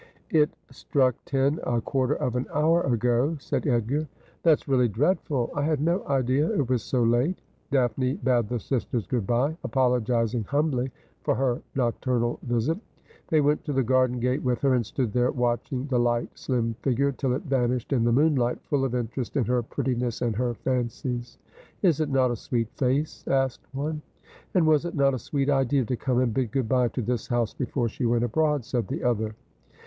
' It struck ten a quarter of an hour ago,' said Edgar. ' That's really dreadful ; I had no idea it was so late.' Daphne bade the sisters good bye, apologising humbly for her nocturnal visit. They went to the garden gate with her, and stood there watching the light slim figure till it vanished in the moonlight, full of interest in her prettiness and her fancies. ' Is it not a sweet face ?' asked one. ' And was it not a sweet idea to come and bid good bye to this house before she went abroad ?' said the other.